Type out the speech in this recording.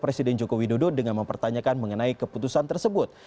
presiden jokowi dodo dengan mempertanyakan mengenai keputusan tersebut